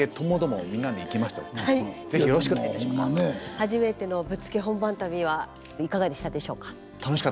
初めてのぶっつけ本番旅はいかがでしたでしょうか？